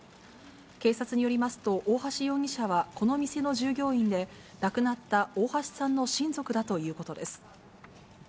警察によりますと、大橋容疑者はこの店の従業員で、亡くなった大橋さんの親族だということです。